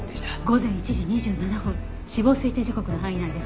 午前１時２７分死亡推定時刻の範囲内です。